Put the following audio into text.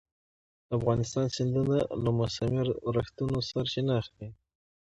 د افغانستان سیندونه له موسمي اورښتونو سرچینه اخلي.